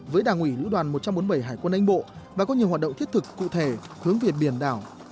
với đảng ủy lữ đoàn một trăm bốn mươi bảy hải quân anh bộ và có nhiều hoạt động thiết thực cụ thể hướng về biển đảo